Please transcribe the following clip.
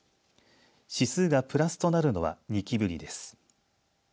指数がプラスとなるのは２期ぶりです。